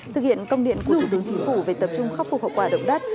thực hiện công điện của thủ tướng chính phủ về tập trung khắc phục hậu quả động đất